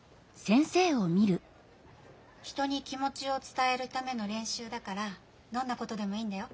人に気もちをつたえるためのれんしゅうだからどんなことでもいいんだよ。